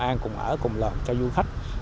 hội an cùng ở cùng lòng cho du khách